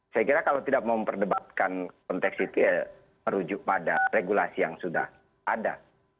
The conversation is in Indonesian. saya kira kalau tidak mau memperdebatkan konteks itu ya merujuk pada regulasi yang sudah ada